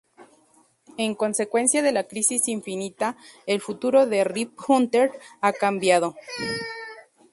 En consecuencia de la Crisis Infinita, el futuro de Rip Hunter ha cambiado.